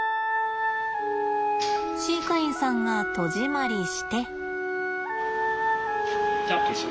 飼育員さんが戸締まりして。